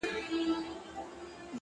خپه په دې سم چي وای زه دې ستا بلا واخلمه